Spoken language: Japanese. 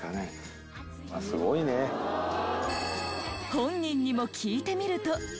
本人にも聞いてみると。